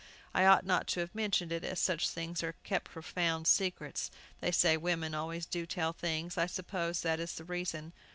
I ought not to have mentioned it, as such things are kept profound secrets; they say women always do tell things; I suppose that is the reason."